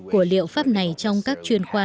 của liệu pháp này trong các chuyên khoa